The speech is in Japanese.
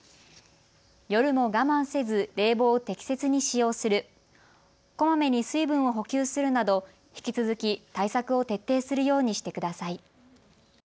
夜も我慢せず冷房を適切に使用する、こまめに水分を補給するなど引き続き引き続き対策を徹底するようにしてください。